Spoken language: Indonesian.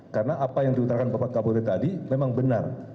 karena apa yang diutarkan bapak kapolri tadi memang benar